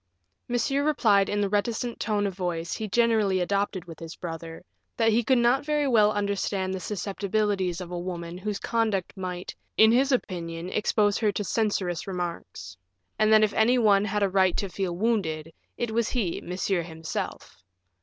Monsieur replied in the reticent tone of voice he generally adopted with his brother, that he could not very well understand the susceptibilities of a woman whose conduct might, in his opinion, expose her to censorious remarks, and that if any one had a right to feel wounded, it was he, Monsieur himself.